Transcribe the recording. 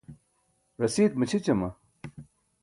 rasiit maćʰićama?